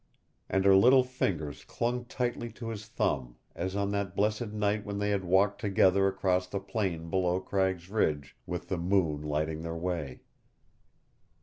And her little fingers clung tightly to his thumb, as on that blessed night when they had walked together across the plain below Cragg's Ridge, with the moon lighting their way.